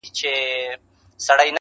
په کارولو سره رامنځته سي